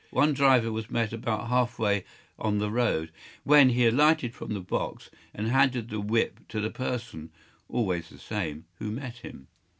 One driver was met about half way on the road, when he alighted from the box, and handed the whip to the person (always the same) who met him.